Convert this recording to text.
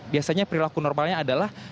biasanya perilaku normalnya adalah